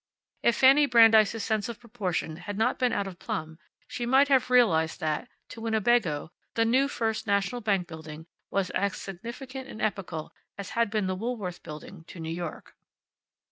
If Fanny Brandeis' sense of proportion had not been out of plumb she might have realized that, to Winnebago, the new First National Bank building was as significant and epochal as had been the Woolworth Building to New York.